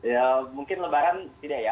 ya mungkin lebaran tidak ya